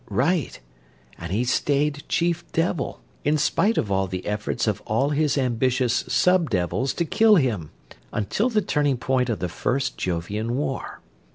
"Right, and he stayed Chief Devil, in spite of all the efforts of all his ambitious sub devils to kill him, until the turning point of the First Jovian War.